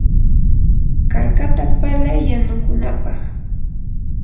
karkata palay yanukunapaq.